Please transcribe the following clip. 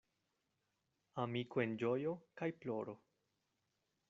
Amiko en ĝojo kaj ploro.